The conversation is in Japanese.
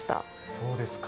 そうですか。